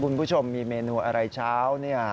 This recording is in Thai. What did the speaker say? คุณผู้ชมมีเมนูอะไรเช้า